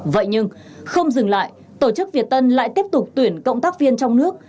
vậy nhưng không dừng lại tổ chức việt tân lại tiếp tục tuyển cộng tác viên trong nước